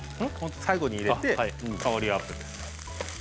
最後に入れて香りアップです。